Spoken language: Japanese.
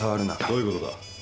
どういうことだ？